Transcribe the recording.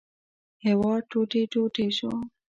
هېواد ټوټې ټوټې شو.